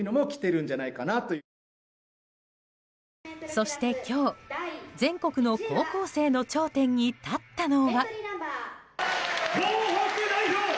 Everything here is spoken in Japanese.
そして今日、全国の高校生の頂点に立ったのは。